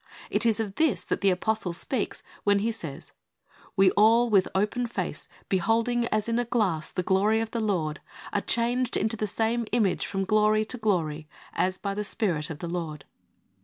It is of this that the Apostle speaks when he says, " We all with open face beholding as in a glass the glory of the Lord are changed into the same image from glory to glory, as by the Spirit of the Lord."